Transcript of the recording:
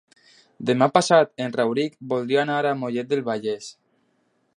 Demà passat en Rauric voldria anar a Mollet del Vallès.